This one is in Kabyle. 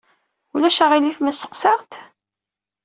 Ulac aɣilif ma sseqsaɣ-d?